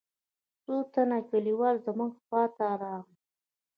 څو تنه کليوال زموږ خوا ته راغلل.